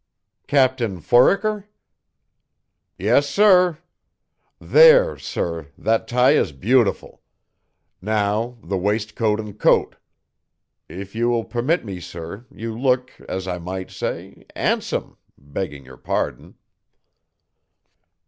"Captain Foraker?" "Yes, sir. There, sir, that tie is beautiful. Now the waistcoat and coat. If you will permit me, sir, you look, as I might say, 'andsome, begging your pardon."